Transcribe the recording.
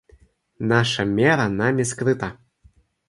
Наша мера нами скрыта.